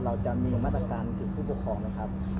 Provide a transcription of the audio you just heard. เราจะมีมาตรการถึงผู้ปกครองไหมครับ